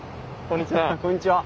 こんにちは。